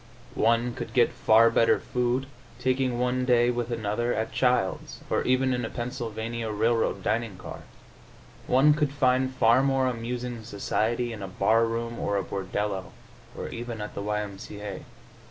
One could get far better food, taking one day with another, at Childs', or even in a Pennsylvania Railroad dining car; one could find far more amusing society in a bar room or a bordello, or even at the Y. M. C. A.